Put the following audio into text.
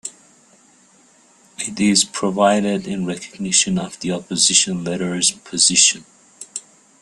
It is provided in recognition of the opposition leader's position.